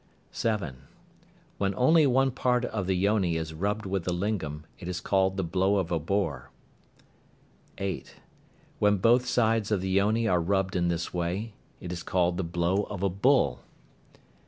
(7). When only one part of the yoni is rubbed with the lingam, it is called the "blow of a boar." (8). When both sides of the yoni are rubbed in this way, it is called the "blow of a bull."